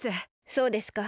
そうですか。